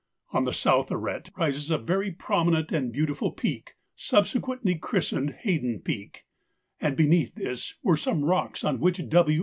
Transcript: On the south arête rises a very prominent and beautiful peak (subsequently christened Haydon Peak), and beneath this were some rocks on which W.